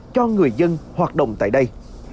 cho người dân hoạt động tại đây